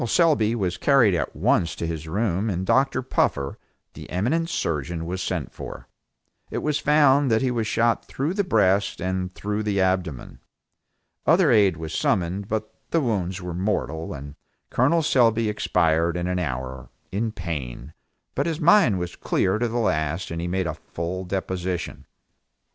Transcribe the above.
Selby was carried at once to his room and Dr. Puffer, the eminent surgeon was sent for. It was found that he was shot through the breast and through the abdomen. Other aid was summoned, but the wounds were mortal, and Col Selby expired in an hour, in pain, but his mind was clear to the last and he made a full deposition.